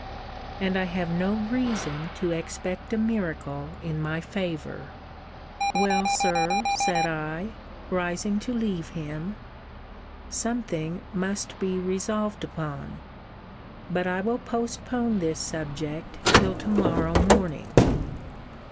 And I have no reason to expect a miracle in my favour. Well, Sir, said I, [rising to leave him,] something must be resolved upon: but I will postpone this subject till to morrow morning.